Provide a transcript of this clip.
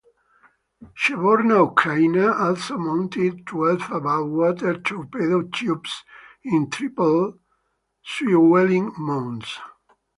"Chervona Ukraina" also mounted twelve above-water torpedo tubes in triple swivelling mounts.